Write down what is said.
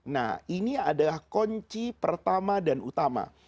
nah ini adalah kunci pertama dan utama